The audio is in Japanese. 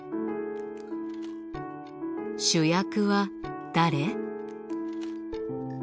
主役は誰？